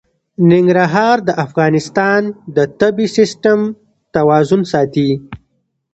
ننګرهار د افغانستان د طبعي سیسټم توازن ساتي.